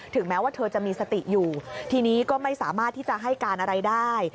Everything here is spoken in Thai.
แม้ว่าเธอจะมีสติอยู่ทีนี้ก็ไม่สามารถที่จะให้การอะไรได้